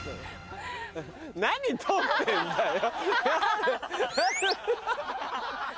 何撮ってんだよ！